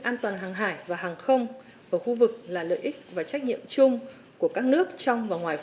an toàn hàng hải và hàng không ở khu vực là lợi ích và trách nhiệm chung của các nước trong và ngoài